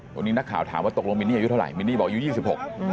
วันนี้นักข่าวถามว่าตกลงมินนี่อายุเท่าไหมินนี่บอกอายุยี่สิบหก